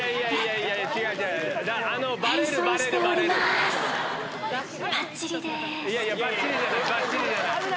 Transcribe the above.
いやいや、ばっちりじゃない。